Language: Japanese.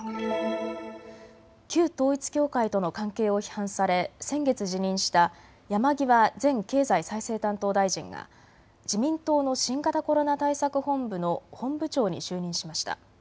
旧統一教会との関係を批判され先月、辞任した山際前経済再生担当大臣が自民党の新型コロナ対策本部の本部長に就任しました。